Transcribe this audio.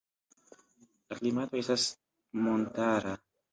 La klimato estas montara.